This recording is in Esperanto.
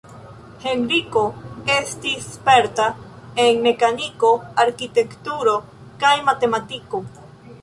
Henriko estis sperta en mekaniko, arkitekturo kaj matematiko.